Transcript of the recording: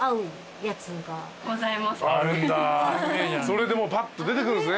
それでもパッと出てくるんすね。